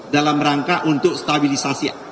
dalam rangka untuk stabilisasi